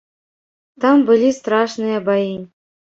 Там былі страшныя баі.